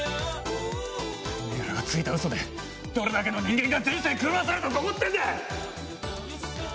てめえらがついた嘘でどれだけの人間が人生狂わされたと思ってるんだ！